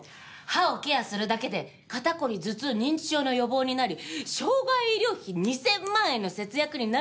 歯をケアするだけで肩こり頭痛認知症の予防になり生涯医療費２０００万円の節約になると言われてるの。